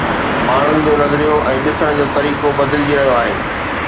ماڻهن جو نظريو ۽ ڏسڻ جو طريقو بدلجي رهيو آهي.